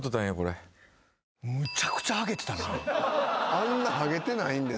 あんなハゲてないんです。